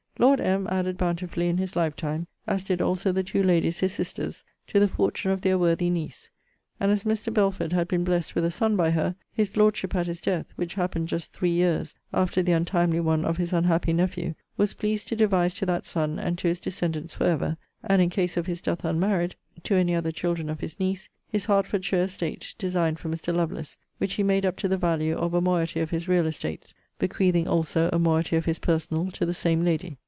Lord M. added bountifully in his life time, as did also the two ladies his sisters, to the fortune of their worthy niece. And as Mr. Belford had been blessed with a son by her, his Lordship at his death [which happened just three years after the untimely one of his unhappy nephew] was pleased to devise to that son, and to his descendents for ever (and in case of his death unmarried, to any other children of his niece) his Hertfordshire estate, (designed for Mr. Lovelace,) which he made up to the value of a moiety of his real estates; bequeathing also a moiety of his personal to the same lady.